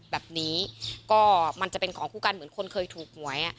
แบบนี้ก็มันจะเป็นของคู่กันเหมือนคนเคยถูกหวย